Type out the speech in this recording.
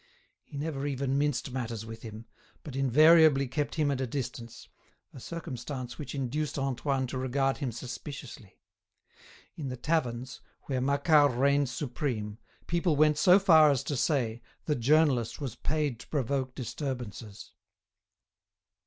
He never even minced matters with him, but invariably kept him at a distance, a circumstance which induced Antoine to regard him suspiciously. In the taverns, where Macquart reigned supreme, people went so far as to say the journalist was paid to provoke disturbances.